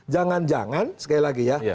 jangan jangan sekali lagi ya